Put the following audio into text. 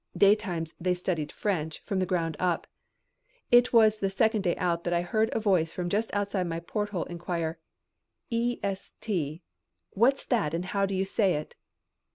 Daytimes they studied French from the ground up. It was the second day out that I heard a voice from just outside my porthole inquire "E S T what's that and how do you say it?"